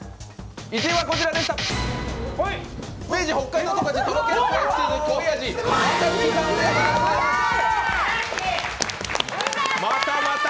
１位はこちらでした！